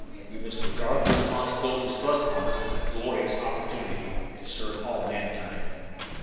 We must regard the responsibilities thrust upon us as a glorious opportunity to serve all of mankind."